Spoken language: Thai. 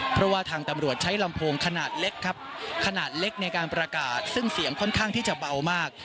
เพราะว่าทางตำรวจใช้ลำโพงขนาดเล็กครับขนาดเล็กในการประกาศซึ่งเสียงค่อนข้างที่จะเบามาก